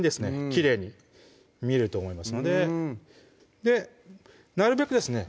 きれいに見えると思いますのでなるべくですね